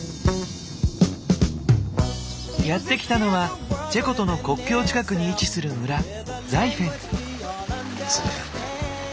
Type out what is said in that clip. やって来たのはチェコとの国境近くに位置する村ザイフェン。